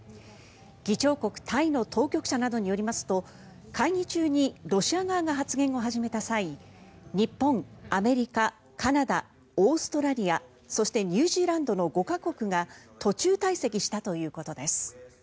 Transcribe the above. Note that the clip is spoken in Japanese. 議長国タイの当局者などによりますと会議中にロシア側が発言を始めた際日本、アメリカ、カナダオーストラリアそしてニュージーランドの５か国が途中退席したということです。